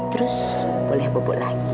terus boleh bobok lagi